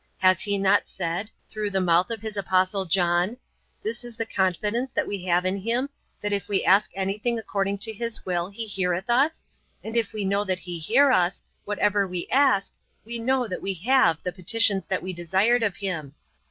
Has He not said, through the mouth of His Apostle John, 'This is the confidence that we have in Him, that if we ask anything according to His will, He heareth us, and if we know that He hear us, whatsoever we ask, we know that we have the petitions that we desired of Him.'